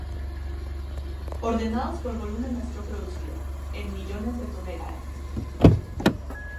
Ordenados por volumen de acero producido, en millones de toneladas.